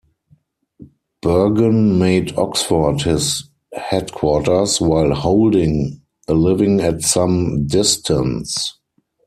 Burgon made Oxford his headquarters, while holding a living at some distance.